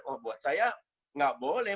oh buat saya nggak boleh